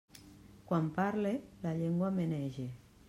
Quan parle, la llengua menege.